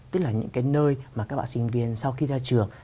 tức là những cái nơi mà các bạn sinh viên sau khi ra trường